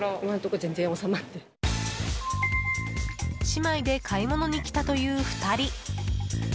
姉妹で買い物に来たという２人。